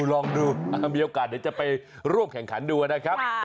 ลองดูมีโอกาสเดี๋ยวจะไปร่วมแข่งขันดูนะครับ